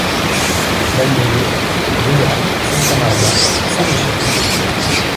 Bagnolo, Rua, Santa Maria, San Michele.